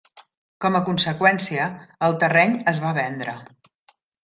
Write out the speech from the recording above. Com a conseqüència, el terreny es va vendre.